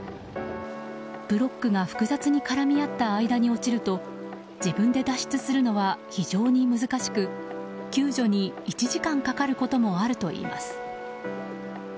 ブロックが複雑に絡み合った間に落ちると自分で脱出するのは非常に難しく救助に１時間かかることもあるといいます。